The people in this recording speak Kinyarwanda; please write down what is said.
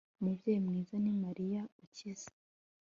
umubyeyi mwiza ni mariya, ukiza